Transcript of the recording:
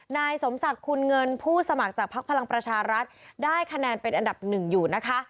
นายสมศักดิ์คุณเงินผู้สมัครจากภักดิ์พลังประชารัฐได้คะแนนเป็นอันดับหนึ่งอยู่นะคะ